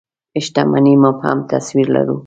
شتمنۍ مبهم تصوير لرو.